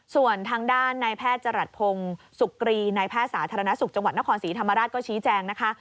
ส่วนทางด้านนายแพทย์จรัสพงศ์สุกรีนายแพทย์สาธารณสุขจังหวัดนครศรีธรรมราชก็ชี้แจงนะคะ